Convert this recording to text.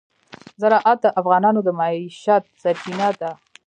زراعت د افغانانو د معیشت سرچینه ده.